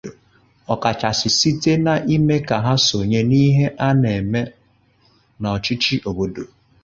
ọkachasị site n'ime ka ha sonye n'ihe a na-eme n'ọchịchị obodo